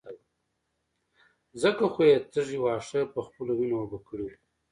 ځکه خو يې تږي واښه په خپلو وينو اوبه کړي وو.